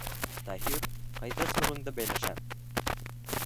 — Таһир, ҡайҙа шнурыңды бәйләшәм.